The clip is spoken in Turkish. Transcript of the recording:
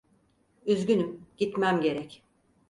Üzgünüm, gitmem gerek.